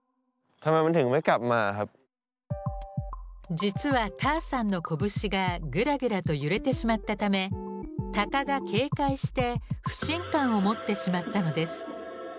実はＴａｒさんの拳がグラグラと揺れてしまったため鷹が警戒して不信感を持ってしまったのです。